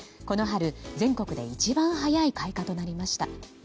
この春、全国で一番早い開花となりました。